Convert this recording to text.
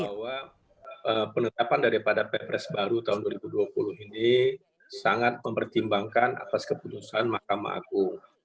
bahwa penetapan daripada ppres baru tahun dua ribu dua puluh ini sangat mempertimbangkan atas keputusan mahkamah agung